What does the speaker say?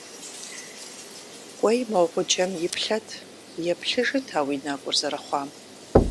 КӀуэи мо гъуджэм иплъэт, еплъыжыт а уи нэкӀур зэрыхъуам.